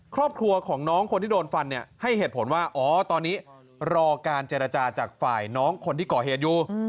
ครอบครัวของน้องคนที่โดนฟันเนี่ยให้เหตุผลว่าอ๋อตอนนี้รอการเจรจาจากฝ่ายน้องคนที่ก่อเหตุอยู่